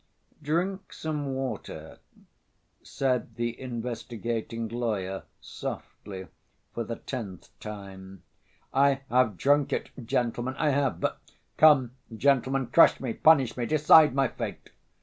"Drink some water," said the investigating lawyer softly, for the tenth time. "I have drunk it, gentlemen, I have ... but ... come, gentlemen, crush me, punish me, decide my fate!"